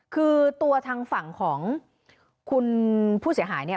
คือตัวทางฝั่งของคุณผู้เสียหายเนี่ย